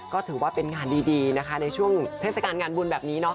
ก็ถือว่าเป็นงานดีนะคะในช่วงเทศกาลงานบุญแบบนี้เนาะ